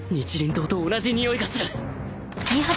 刀と同じにおいがする